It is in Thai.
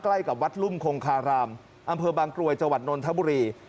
ใกล้กับวัดรุ่มโครงคารามอำเภอบางกรวยจนทบุรี